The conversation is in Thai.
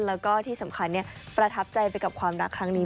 แล้วก็ที่สำคัญประทับใจไปกับความรักครั้งนี้